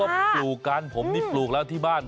หนุ่มเขาก็ปลูกกานผมนี่ปลูกแล้วที่บ้าน